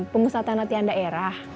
pengusaha tanah tian daerah